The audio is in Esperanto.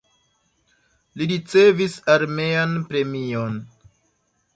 Li ricevis armean premion.